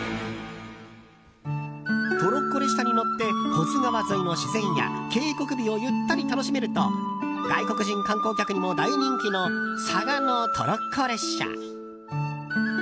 トロッコ列車に乗って保津川沿いの自然や渓谷美をゆったり楽しめると外国人観光客にも大人気の嵯峨野トロッコ列車。